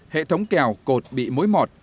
hệ thống kèo cột bị mối mọt